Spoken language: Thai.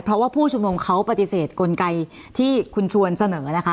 เพราะว่าผู้ชุมนุมเขาปฏิเสธกลไกที่คุณชวนเสนอนะคะ